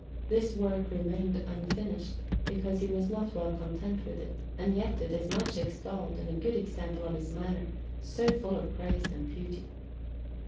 This work remained unfinished, because he was not well contented with it; and yet it is much extolled, and a good example of his manner, so full of grace and beauty.